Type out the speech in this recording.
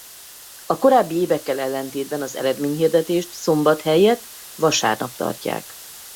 A korábbi évekkel ellentétben az eredményhirdetést szombat helyett vasárnap tartják.